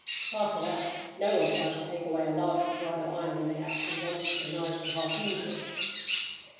After that no one tried to take away a larger supply of iron than they actually wanted for knives and harpoon tips.